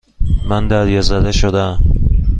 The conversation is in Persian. من دریازده شدهام.